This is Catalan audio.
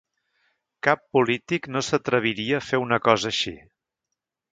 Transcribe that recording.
Cap polític no s’atreviria a fer una cosa així.